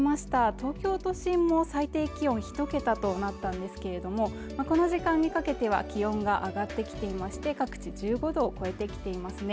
東京都心の最低気温１桁となったんですけれどもこの時間にかけては気温が上がってきていまして各地１５度を超えてきていますね